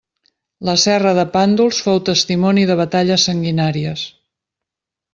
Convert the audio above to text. La serra de Pàndols fou testimoni de batalles sanguinàries.